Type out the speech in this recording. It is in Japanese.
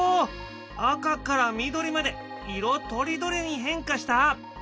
赤から緑まで色とりどりに変化した！